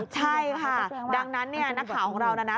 ใช่ค่ะดังนั้นเนี่ยนักข่าวของเรานะนะ